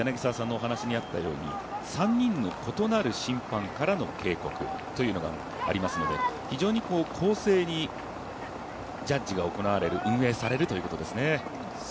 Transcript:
３人の異なる審判からの警告というのがありますので非常に公正にジャッジが行われる運営されるということですね。